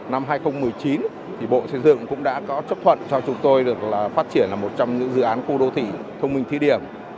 năm hai nghìn một mươi chín thì bộ xây dựng cũng đã có chấp thuận cho chúng tôi được phát triển là một trong những dự án khu đô thị thông minh thí điểm